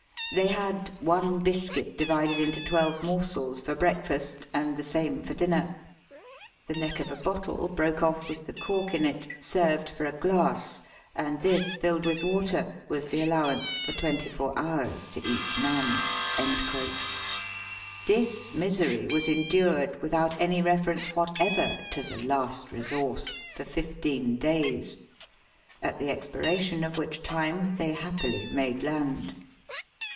They had "one biscuit divided into twelve morsels for breakfast, and the same for dinner ; the neck of a bottle, broke off with the cork iu it, served for a glass ; and this tilled with water was the allowance for twenty four hours, to each man." This misery was endured, without any reference whatever to the last resource, for fifteen days : at the expiration of which time, they happily made land.